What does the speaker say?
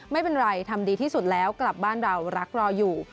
ไม่เป็นไรทำดีที่สุดแล้วกลับบ้านเรารักรออยู่